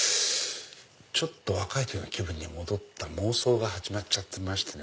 ちょっと若い時の気分に戻った妄想が始まっちゃってましてね。